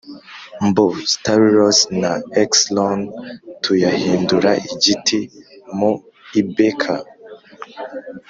mbo stau ros na xy lon tuyahindura igiti mu Ibk